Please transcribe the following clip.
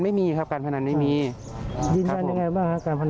ไม่มีครับการพนันเขาไม่มีอยู่แล้วครับผม